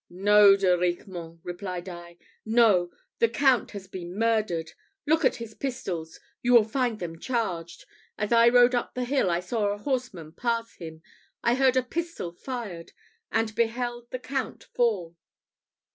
"No, De Riquemont!" replied I. "No! the Count has been murdered! Look at his pistols; you will find them charged. As I rode up the hill, I saw a horseman pass him, I heard a pistol fired, and beheld the Count fall."